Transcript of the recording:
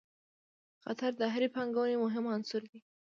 خطر د هرې پانګونې مهم عنصر دی.